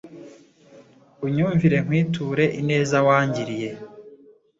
Unyumvire nkwiture ineza, wangiriye